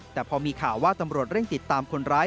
แต่พอมีข่าวว่าตำรวจเร่งติดตามคนร้าย